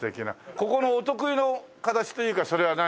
ここのお得意の形というかそれは何？